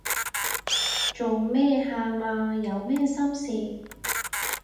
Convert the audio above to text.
做咩喊啊？有咩心事